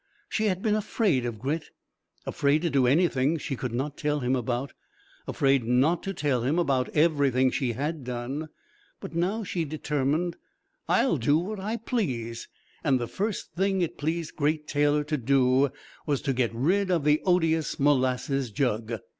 She had been afraid of Grit afraid to do anything she could not tell him about; afraid not to tell him about everything she had done. But now she determined: "I'll do what I please." And the first thing it pleased Great Taylor to do was to get rid of the odious molasses jug.